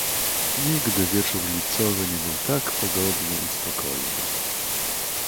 "Nigdy wieczór lipcowy nie był tak pogodny i spokojny."